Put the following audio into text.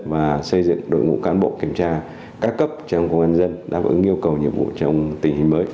và xây dựng đội ngũ cán bộ kiểm tra cao cấp trong công an nhân đáp ứng nhiệm vụ kiểm tra trong tình hình mới